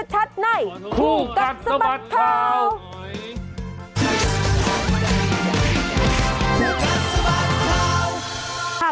ชัดในคู่กัดสะบัดข่าว